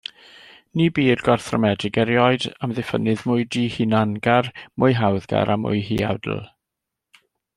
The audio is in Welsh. Ni bu i'r gorthrymedig erioed amddiffynnydd mwy dihunangar, mwy hawddgar, a mwy huawdl.